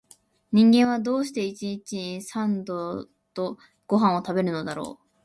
人間は、どうして一日に三度々々ごはんを食べるのだろう